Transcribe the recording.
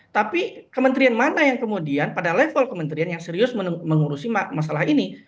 tapi kementerian mana yang kemudian pada level kementerian yang serius mengurusi masalah ini